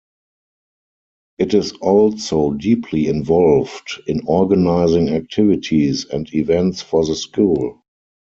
It is also deeply involved in organizing activities and events for the school.